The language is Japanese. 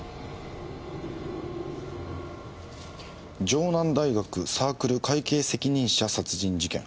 城南大学サークル会計責任者殺人事件。